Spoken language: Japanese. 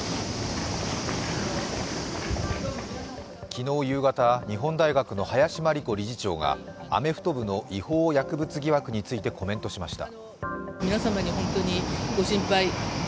昨日夕方、日本大学の林真理子理事長がアメフト部の違法薬物疑惑についてコメントしました。